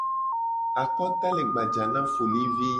Akota le gbaja na folivi.